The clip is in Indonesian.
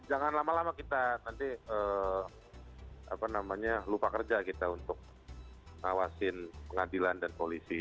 jangan lama lama kita nanti lupa kerja kita untuk ngawasin pengadilan dan polisi